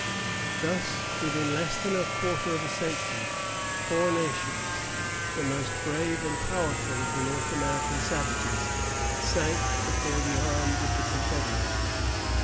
Thus, within less than a quarter of a century, four nations, the most brave and powerful of the North American savages, sank before the arms of the confederates.